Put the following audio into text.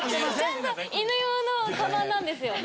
ちゃんと犬用のカバンなんですよ。